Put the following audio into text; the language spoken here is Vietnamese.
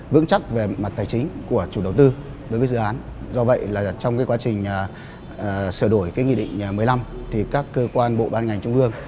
dự thảo mới nhất của nghị định một mươi năm các cơ quan bộ ban ngành trung ương